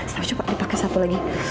sampai coba dipake satu lagi